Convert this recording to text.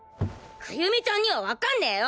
冬美ちゃんにはわかんねよ！